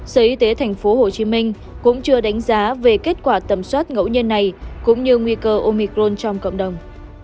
sở y tế tp hcm cũng chưa đánh giá về kết quả tầm soát ngẫu nhân này cũng như nguy cơ omicron trong cộng đồng